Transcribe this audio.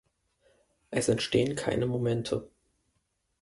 Es entstehen keine Momente.